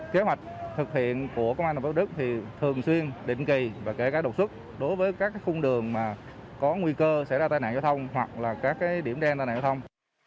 kế hoạch thực hiện của công an tp đức thì thường xuyên định kỳ và kể cả đột xuất đối với các khung đường mà có nguy cơ xảy ra tai nạn giao thông hoặc là các điểm đen tai nạn giao thông